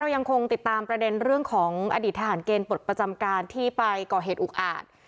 ยังคงติดตามประเด็นเรื่องของอดีตทหารเกณฑ์ปลดประจำการที่ไปก่อเหตุอุกอาจ